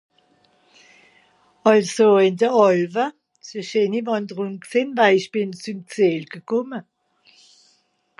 àlso ìn de Àlwe se scheeni wànderung gsìn waij esch bìn züm Ziel gekòmme